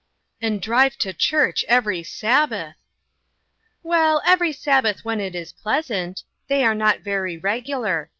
" And drive to church every Sabbath !"" Well, every Sabbath when it is pleasant. They are not very regular.